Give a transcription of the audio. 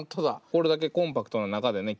これだけコンパクトな中でね